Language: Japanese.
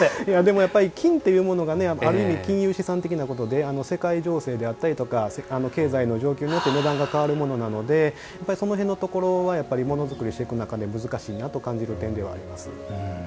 金というものが、ある意味金融資産的なもので世界情勢、経済の状況によって値段が変わるものなのでその辺のところはものづくりしていく中で難しいなと感じる点ではあります。